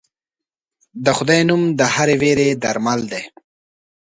د خدای نوم د هرې وېرې درمل دی.